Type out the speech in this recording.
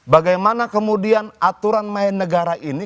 bagaimana kemudian aturan main negara ini